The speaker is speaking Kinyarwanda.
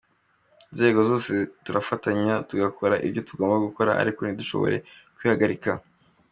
Inzego zose turafatanya tugakora ibyo tugomba gukora ariko ntidushobore kubihagarika.